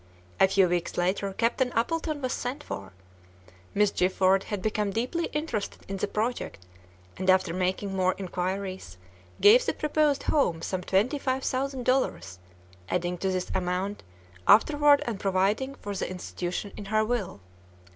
A few weeks later, Captain Appleton was sent for. Miss Gifford had become deeply interested in the project, and after making more inquiries, gave the proposed home some twenty five thousand dollars, adding to this amount afterward and providing for the institution in her will.